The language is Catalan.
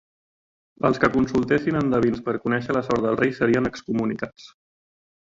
Els que consultessin a endevins per conèixer la sort del rei serien excomunicats.